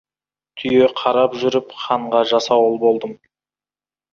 Түйе қарап жүріп, ханға жасауыл болдым.